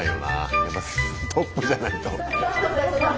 やっぱトップじゃないと。